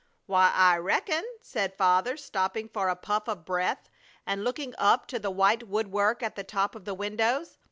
"Why, I reckon!" said Father, stopping for a puff of breath and looking up to the white woodwork at the top of the windows.